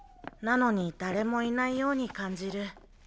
なのに誰もいないように感じる。